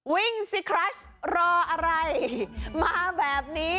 ซิครัชรออะไรมาแบบนี้